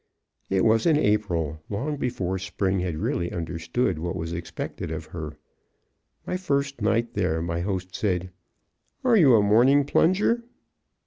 It was in April, long before Spring had really understood what was expected of her. My first night there my host said: "Are you a morning plunger?"